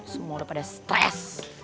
semua udah pada stress